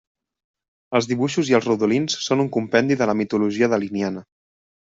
Els dibuixos i els rodolins són un compendi de la mitologia daliniana.